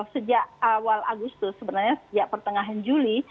sejak awal agustus sebenarnya sejak pertengahan juli